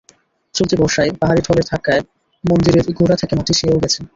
চলতি বর্ষায় পাহাড়ি ঢলের ধাক্কায় মন্দিরের গোড়া থেকে মাটি সেও গেছে।